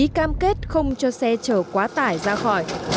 đều phải ký cam kết không cho xe chở quá tải ra khỏi